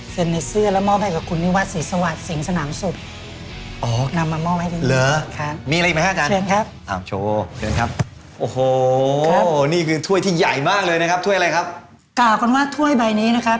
เซ็นในเสื้อแล้วมอบให้กับคุณนี่วัดศรีสวรรค์สิงสนามสุทธิ์